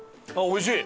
おいしい！